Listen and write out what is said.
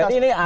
jadi ini ada